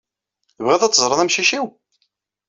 Tebɣiḍ ad teẓreḍ amcic-iw?